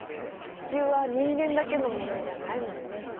地球は人間だけの物じゃないもんね。